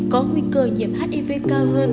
có nguy cơ nhiễm hiv cao hơn